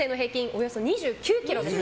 およそ２９ｋｇです。